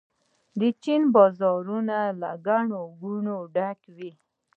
د چین بازارونه له ګڼې ګوڼې ډک دي.